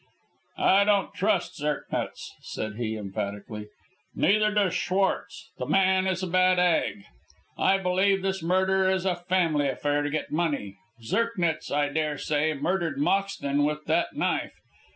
"I don't trust Zirknitz," said he, emphatically, "neither does Schwartz. The man is a bad egg. I believe this murder is a family affair to get money. Zirknitz, I daresay, murdered Moxton with that knife.